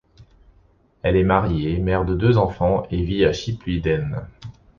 Elle est mariée, mère de deux enfants et vit à Schipluiden.